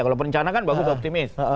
kalau perencana kan bagus optimis